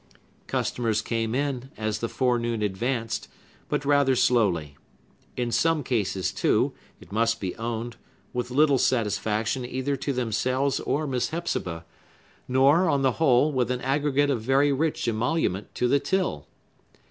Customers came in, as the forenoon advanced, but rather slowly; in some cases, too, it must be owned, with little satisfaction either to themselves or Miss Hepzibah; nor, on the whole, with an aggregate of very rich emolument to the till.